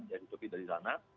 menutupi dari sana